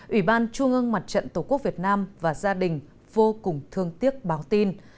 ủy ban trung ương mặt trận tổ quốc việt nam và gia đình vô cùng thương tiếc báo tin